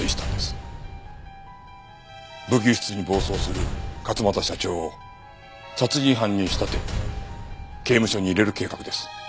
武器輸出に暴走する勝又社長を殺人犯に仕立て刑務所に入れる計画です。